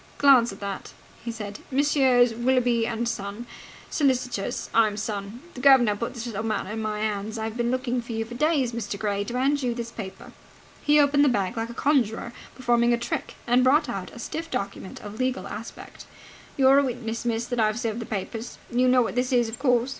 "Glance at that," he said. "Messrs. Willoughby and Son, Solicitors. I'm son. The guv'nor put this little matter into my hands. I've been looking for you for days, Mr. Gray, to hand you this paper." He opened the bag like a conjurer performing a trick, and brought out a stiff document of legal aspect. "You're a witness, miss, that I've served the papers. You know what this is, of course?"